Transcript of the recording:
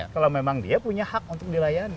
kalau memang dia punya hak untuk dilayani